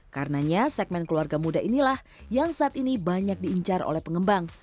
karenanya segmen keluarga muda inilah yang saat ini banyak diincar oleh pengembang